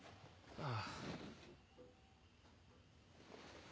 あ‼あ！